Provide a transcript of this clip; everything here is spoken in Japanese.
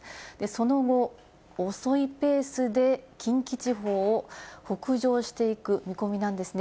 その後、遅いペースで近畿地方を北上していく見込みなんですね。